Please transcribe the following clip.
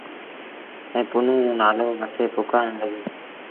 ائيٚݩ پنهون رو نآلو وٺي پُڪآرڻ لڳيٚ۔